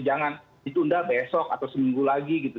jangan ditunda besok atau seminggu lagi gitu